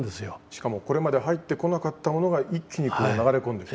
しかもこれまで入ってこなかったものが一気に流れ込んできた。